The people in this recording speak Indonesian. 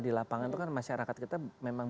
di lapangan itu kan masyarakat kita memang